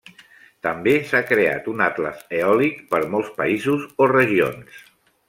També s'ha creat un atles eòlic per molts països o regions.